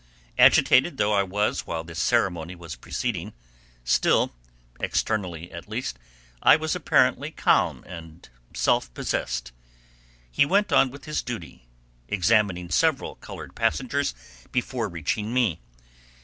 Agitated though I was while this ceremony was proceeding, still, externally, at least, I was apparently calm and self possessed. He went on with his duty—examining several colored passengers before reaching me.